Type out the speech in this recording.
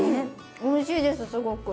おいしいですすごく。